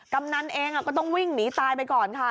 กำนันเองก็ต้องวิ่งหนีตายไปก่อนค่ะ